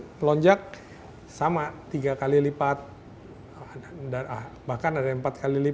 adalah bomkummer apa tunggu mungkin avni maksudnya ya jadi maksudnya ketika pas possible